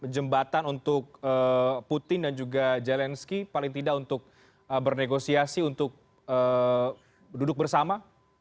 jembatan untuk putin dan juga zelensky paling tidak untuk bernegosiasi untuk duduk bersama